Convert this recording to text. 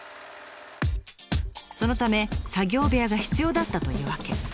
そのため作業部屋が必要だったというわけ。